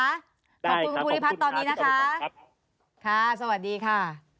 ดีค่ะขอบคุณค่ะที่เต็มปรับครับใช่ค่ะสวัสดีค่ะ